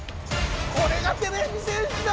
これがてれび戦士だ！